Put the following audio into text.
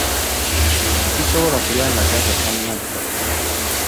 Ssisobola kulya nga taata tannadda.